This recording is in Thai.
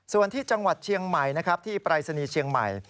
ส่วนที่จังหวัดเชียงใหม่ที่ปริศนีเชียงใหม่